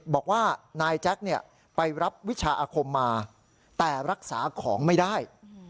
บอกว่านายแจ๊คไปรับวิชาอาคมมาแต่รักษาของไม่ได้